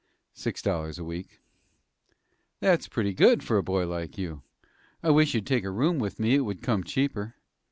"Six dollars a week." "That's pretty good, for a boy like you. I wish you'd take a room with me. It would come cheaper."